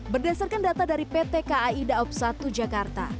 berdasarkan data dari pt kai daopsatu jakarta